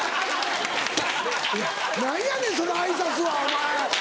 何やねんその挨拶はお前。